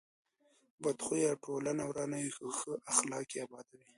بد خوی ټولنه ورانوي، خو ښه اخلاق یې ابادوي.